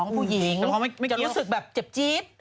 จะจับผู้หญิงจะรู้สึกแบบเจ็บจี๊บ